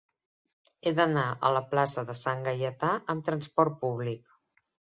He d'anar a la plaça de Sant Gaietà amb trasport públic.